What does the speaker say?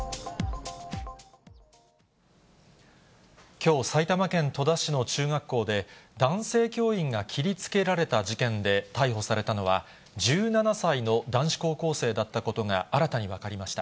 きょう、埼玉県戸田市の中学校で、男性教員が切りつけられた事件で逮捕されたのは、１７歳の男子高校生だったことが、新たに分かりました。